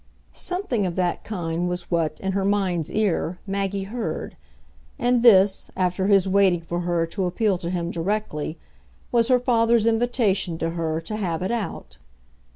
Something of that kind was what, in her mind's ear, Maggie heard and this, after his waiting for her to appeal to him directly, was her father's invitation to her to have it out.